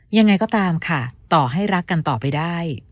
ยังไงก็ตามค่ะต่อให้รักกันต่อไปได้